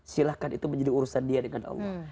silahkan itu menjadi urusan dia dengan allah